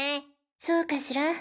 そうかしら。